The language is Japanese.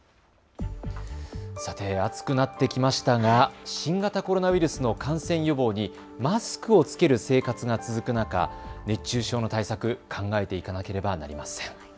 さて暑くなってきましたが、新型コロナウイルスの感染予防にマスクを着ける生活が続く中、熱中症の対策、考えていかなければなりません。